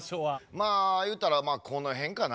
まあ言うたらまあこの辺かな。